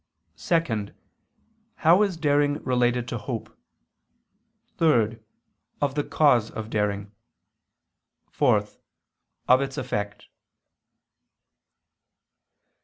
(2) How is daring related to hope? (3) Of the cause of daring; (4) Of its effect.